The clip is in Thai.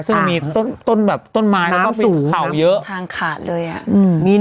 ซึ่งมีต้นไม้น้ำสูงทางขาดเลย